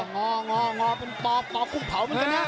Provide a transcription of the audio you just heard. งององอเป็นปอกปอกกุ้งเผ่ามันกันนะ